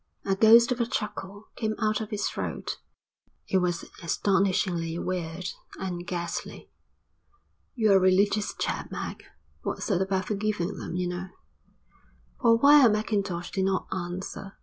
A ghost of a chuckle came out of his throat. It was astonishingly weird and ghastly. "You're a religious chap, Mac. What's that about forgiving them? You know." For a while Mackintosh did not answer.